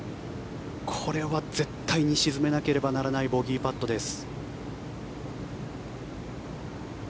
これは絶対に沈めなければならないボギーパットです。